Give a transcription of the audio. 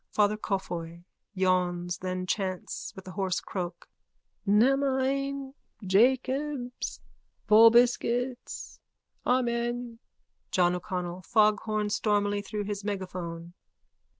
_ FATHER COFFEY: (Yawns, then chants with a hoarse croak.) Namine. Jacobs. Vobiscuits. Amen. JOHN O'CONNELL: _(Foghorns stormily through his megaphone.)